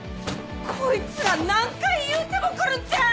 こいつら何回言うても来るんじゃあ！